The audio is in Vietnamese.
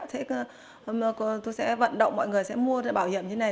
tôi sẽ vận động mọi người sẽ mua bảo hiểm như thế này